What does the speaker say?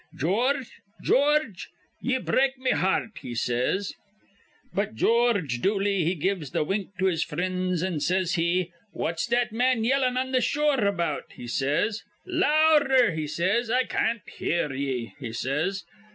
George, George, ye break me hear rt,' he says. "But George Dooley, he gives th' wink to his frinds, an' says he, 'What's that man yellin' on th' shore about?' he says. 'Louder,' he says. 'I can't hear ye,' he says.